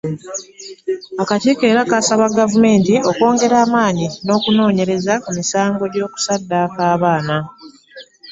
Akakiiko era kasaba Gavumenti okwongera amaanyi n’okunoonyereza ku misango gy’okusaddaaka abaana.